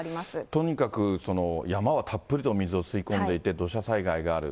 とにかく、山はたっぷりと水を吸い込んでいて、土砂災害がある。